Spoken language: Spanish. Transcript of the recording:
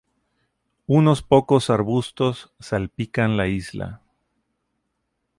Unos pocos arbustos salpican la isla.